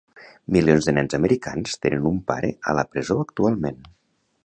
Milions de nens americans tenen un pare a la presó actualment.